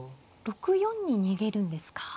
６四に逃げるんですか。